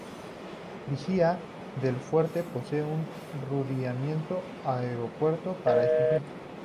Vigía del Fuerte posee un rudimentario aeropuerto para este fin.